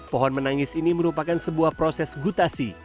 pohon menangis ini merupakan sebuah proses gutasi